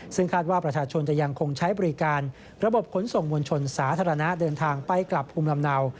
ซึ่งคาดว่าประชาชนจะยังคงใช้บริการระบบขนส่งมวลชนสาธารณะเดินทางไปกลับภูมิลำเนา